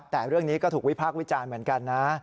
แต่เรื่องนี้ก็ถูกวิพากษ์วิจารณ์เหมือนกันนะ